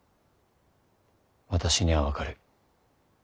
私には分かる。